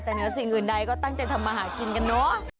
แต่เหนือสิ่งอื่นใดก็ตั้งใจทำมาหากินกันเนอะ